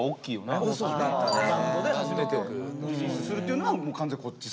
バンドで初めてリリースするっていうのは完全こっちサイドの。